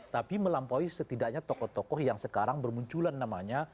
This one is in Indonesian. tapi melampaui setidaknya tokoh tokoh yang sekarang bermunculan namanya